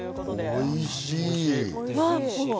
おいしい！